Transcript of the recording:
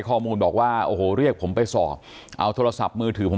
ข้อมูลบอกว่าโอ้โหเรียกผมไปสอบเอาโทรศัพท์มือถือผม